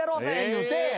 言うて。